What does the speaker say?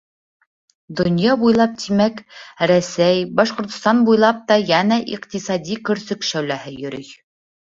Донъя буйлап, тимәк, Рәсәй, Башҡортостан буйлап та йәнә иҡтисади көрсөк шәүләһе йөрөй.